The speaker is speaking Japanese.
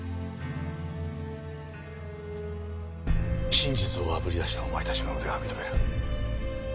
真実をあぶり出したお前たちの腕は認める。